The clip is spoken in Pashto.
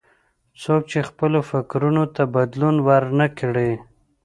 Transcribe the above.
څوک چې خپلو فکرونو ته بدلون ور نه کړي.